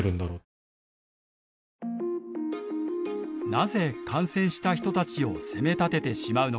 なぜ感染した人たちを責めたててしまうのか。